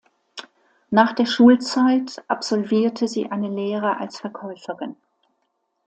Nach der Schulzeit absolvierte sie eine Lehre als Verkäuferin.